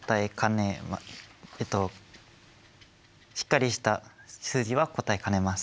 えっとしっかりした数字は答えかねます。